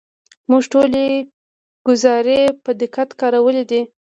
موږ ټولې ګزارې په دقت کارولې دي.